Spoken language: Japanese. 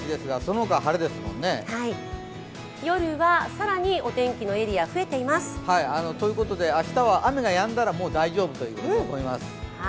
夜は更にお天気のエリア増えてきまする明日は雨がやんだらもう大丈夫だと思います。